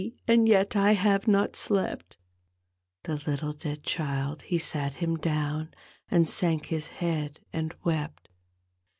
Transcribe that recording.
And yet I have not slept 1 " The little dead child he sat him down. And sank his head and wept.